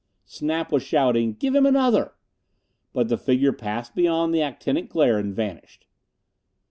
Snap was shouting, "Give him another!" But the figure passed beyond the actinic glare and vanished.